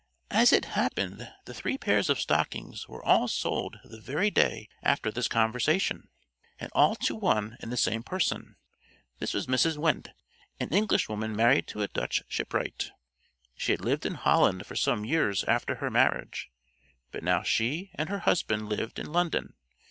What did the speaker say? As it happened, the three pairs of stockings were all sold the very day after this conversation, and all to one and the same person. This was Mrs. Wendte, an Englishwoman married to a Dutch shipwright. She had lived in Holland for some years after her marriage, but now she and her husband lived in London.